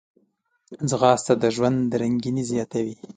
ځغاسته د ژوند رنګیني زیاتوي